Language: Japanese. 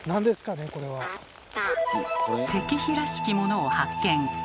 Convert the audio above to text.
石碑らしきものを発見。